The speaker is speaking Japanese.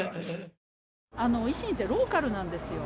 維新ってローカルなんですよ。